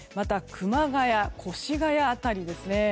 、熊谷、越谷辺りですね。